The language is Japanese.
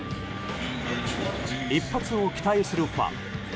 一発を期待するファン。